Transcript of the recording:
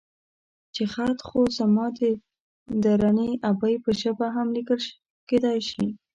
چې خط خو زما د درنې ابۍ په ژبه هم ليکل کېدای شي.